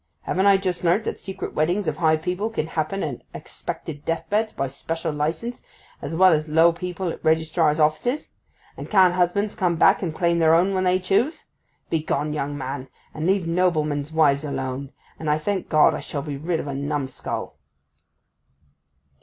Haven't I just learnt that secret weddings of high people can happen at expected deathbeds by special licence, as well as low people at registrars' offices? And can't husbands come back and claim their own when they choose? Begone, young man, and leave noblemen's wives alone; and I thank God I shall be rid of a numskull!